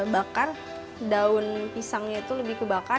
bakar daun pisangnya itu lebih kebakar